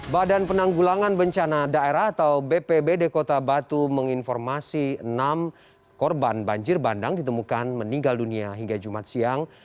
badan penanggulangan bencana daerah atau bpbd kota batu menginformasi enam korban banjir bandang ditemukan meninggal dunia hingga jumat siang